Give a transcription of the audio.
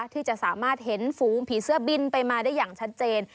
ที่จะสามารถเห็นฝูงผีเสื้อบินไปมาได้อย่างชัดเจน